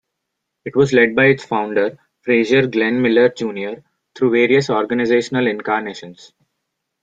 It was led by its founder, Frazier Glenn Miller Junior through various organizational incarnations.